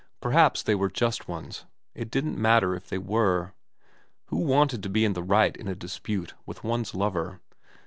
Perhaps they were just ones. It didn't matter if they were. Who wanted to be in the right in a dispute with one's lover